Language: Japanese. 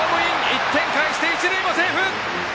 １点返して、一塁もセーフ！